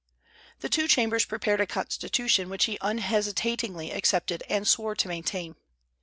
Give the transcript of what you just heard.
The two Chambers prepared a Constitution, which he unhesitatingly accepted and swore to maintain.